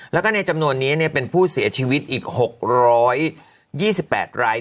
แล้วก็ในจำนวนนี้เป็นผู้เสียชีวิตอีก๖๒๘ราย